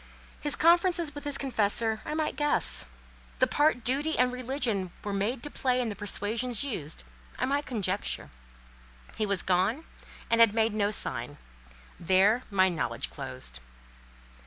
His conferences with his confessor I might guess; the part duty and religion were made to play in the persuasions used, I might conjecture. He was gone, and had made no sign. There my knowledge closed.